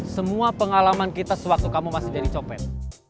semua pengalaman kita sewaktu kamu masih jadi copet